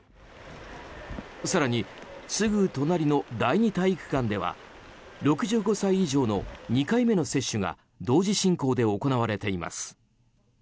更に、すぐ隣の第二体育館では６５歳以上の２回目の接種が同時進行で行われています。